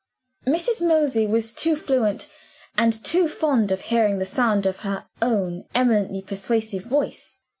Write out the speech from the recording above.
Mrs. Mosey was too fluent, and too fond of hearing the sound of her own eminently persuasive voice.